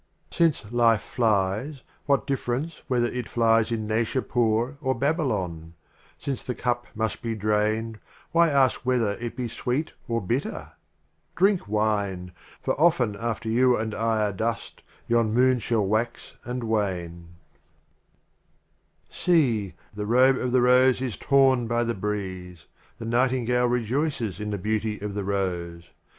VIII. Since Life flies, what difference whether it flies in Naishapiir or Babylon ? Since the Cup must be drained, why ask whether it be Sweet or Bitter ? Drink Wine! for often after You and I are Dust, Yon Moon shall wax and wane. 5 1 The Literal Omar IX. The Literal See, the Robe of the Rose is torn 0mar by the Breeze; The Nightingale rejoices in the Beauty of the Rose.